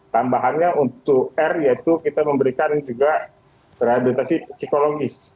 tambahannya untuk r yaitu kita memberikan juga rehabilitasi psikologis